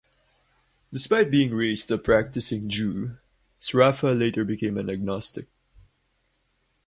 Despite being raised a practicing Jew, Sraffa later became an agnostic.